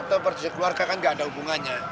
itu perjalanan keluarga kan tidak ada hubungannya